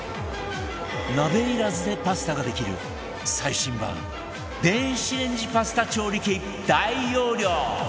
鍋いらずでパスタができる最新版電子レンジパスタ調理器